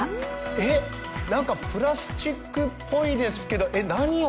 えっ何かプラスチックぽいですけど、何を？